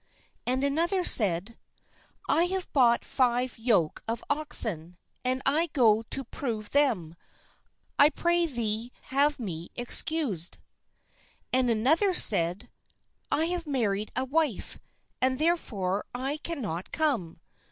And another said :" I have bought five yoke of oxen, and I go to prove them : I pray thee have me excused." And another said :" I have married a wife, and therefore I cannot come."